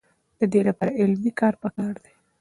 د دې لپاره علمي کار پکار دی.